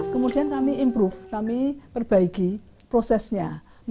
kemudian kami improve kami perbaiki prosesnya